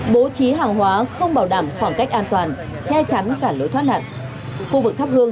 bố trí hàng hóa không bảo đảm khoảng cách an toàn che chắn cả lối thoát nạn khu vực thắp hương